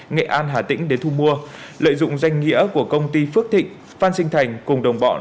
nghệ an hà tĩnh để thu mua lợi dụng danh nghĩa của công ty phước thịnh phan sinh thành cùng đồng bọn